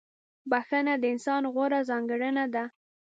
• بخښنه د انسان غوره ځانګړنه ده.